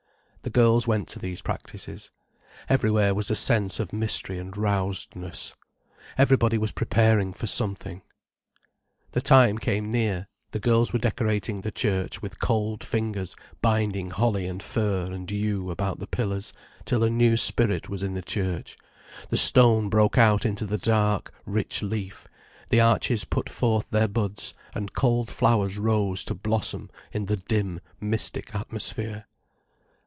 The girls went to these practices. Everywhere was a sense of mystery and rousedness. Everybody was preparing for something. The time came near, the girls were decorating the church, with cold fingers binding holly and fir and yew about the pillars, till a new spirit was in the church, the stone broke out into dark, rich leaf, the arches put forth their buds, and cold flowers rose to blossom in the dim, mystic atmosphere.